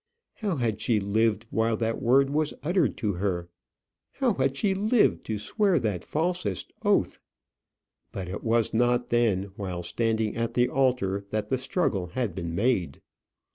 How had she lived while that word was uttered to her! how had she lived to swear that falsest oath! But it was not then, while standing at the altar, that the struggle had been made.